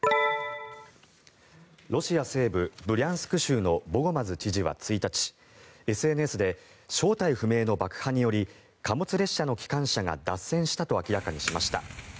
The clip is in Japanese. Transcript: ロシア西部ブリャンスク州のボゴマズ知事は１日ＳＮＳで正体不明の爆破により貨物列車の機関車が脱線したと明らかにしました。